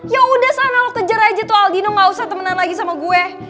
yaudah sana lo kejar aja tuh aldino gak usah temenan lagi sama gue